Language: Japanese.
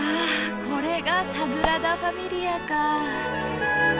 これがサグラダ・ファミリアか！